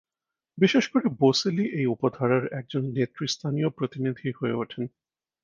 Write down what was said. বিশেষ করে বোসেলি এই উপধারার একজন নেতৃস্থানীয় প্রতিনিধি হয়ে ওঠেন।